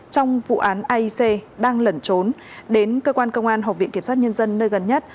trong vụ án aic đang lẩn trốn đến cơ quan công an học viện kiểm soát nhân dân nơi gần nhất